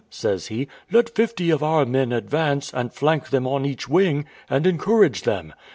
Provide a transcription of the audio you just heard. says he, "let fifty of our men advance, and flank them on each wing, and encourage them.